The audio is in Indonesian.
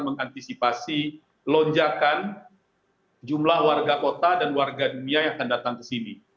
mengantisipasi lonjakan jumlah warga kota dan warga dunia yang akan datang ke sini